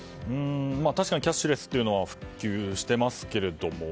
確かにキャッシュレスは普及していますけれども。